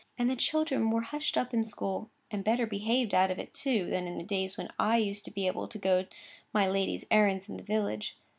And the children were hushed up in school, and better behaved out of it, too, than in the days when I used to be able to go my lady's errands in the village.